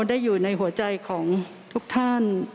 ได้อยู่ในหัวใจของทุกท่าน